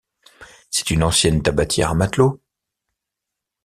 C’est une ancienne tabatière à matelot.